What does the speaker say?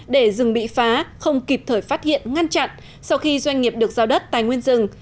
để rừng bị phá không kịp thời phát hiện ngăn chặn sau khi doanh nghiệp được giao đất tài nguyên rừng